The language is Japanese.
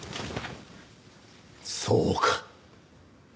そうか。